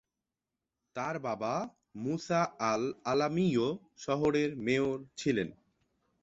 তার বাবা মূসা আল-আলামিও শহরের মেয়র ছিলেন।